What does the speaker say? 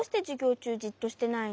ちゅうじっとしてないの？